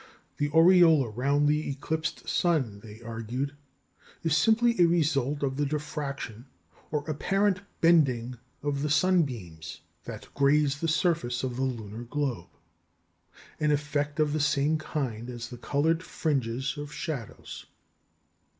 The aureola round the eclipsed sun, they argued, is simply a result of the diffraction, or apparent bending of the sunbeams that graze the surface of the lunar globe an effect of the same kind as the coloured fringes of shadows.